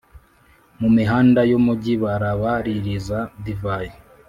Mu mihanda y’umugi barabaririza divayi,